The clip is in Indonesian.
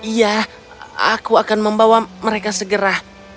iya aku akan membawa mereka segera